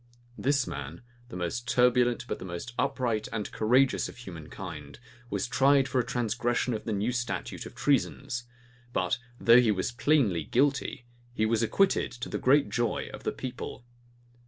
This man, the most turbulent, but the most upright and courageous of human kind, was tried for a transgression of the new statute of treasons: but though he was plainly guilty, he was acquitted, to the great joy of the people.